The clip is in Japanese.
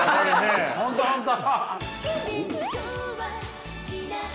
本当本当。